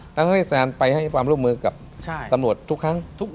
ดังนั้นที่แซนไปให้ฟาร์มร่วมมือกับสำรวจทุกครั้ง